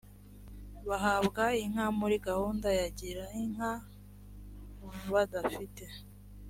bahabwa inka muri gahunda ya girinka badafite